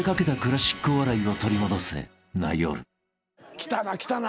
来たな来たな。